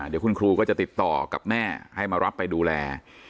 เดี๋ยวคุณครูก็จะติดต่อกับแม่ให้มารับไปดูแล